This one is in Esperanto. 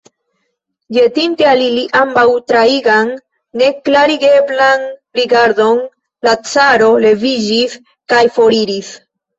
Ĵetinte al ili ambaŭ traigan neklarigeblan rigardon, la caro leviĝis kaj foriris.